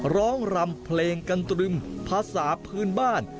รำเพลงกันตรึมภาษาพื้นบ้าน